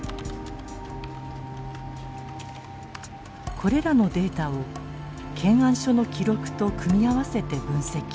これらのデータを検案書の記録と組み合わせて分析。